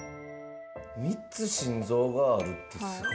３つ心臓があるってすごいね。